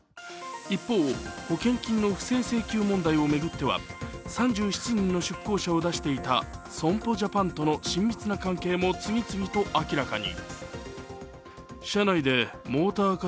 一方、保険金の不正請求問題を巡っては３７人の出向者を出していた損保ジャパンとの親密な関係も次々と明らかに。